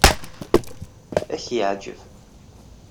Ad k-yeɛjeb.